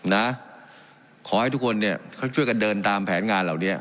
นะขอให้ทุกคนเนี่ยเขาช่วยกันเดินตามแผนงานเหล่านี้